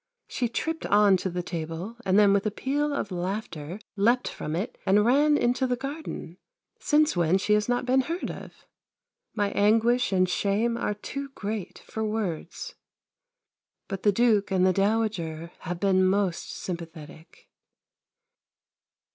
She tripped on to the table, and then with a peal of laughter leapt from it and ran into the garden, since when she has not been heard of! My anguish and shame are too great for words. But the Duke and the Dowager have been most sympathetic.